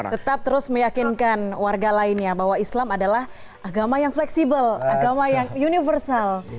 tetap terus meyakinkan warga lainnya bahwa islam adalah agama yang fleksibel agama yang universal